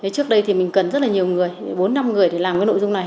trước đây thì mình cần rất là nhiều người bốn năm người thì làm cái nội dung này